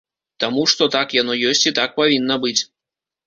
Таму, што так яно ёсць і так павінна быць.